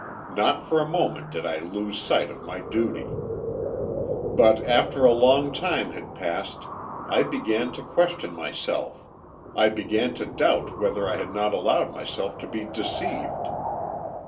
Not for a moment did I lose sight of my duty. "But after a long time had passed I began to question myself I began to doubt whether I had not allowed myself to be deceived.